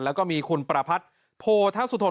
แล้วก็มีคุณประพัทธ์โพธสุทน